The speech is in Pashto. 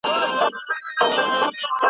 بیا پسرلی سو دښتونه شنه سول ,